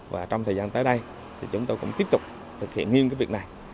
và trong thời gian tới đây thì chúng tôi cũng tiếp tục thực hiện nghiêm cái việc này